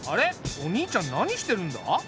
お兄ちゃん何してるんだ？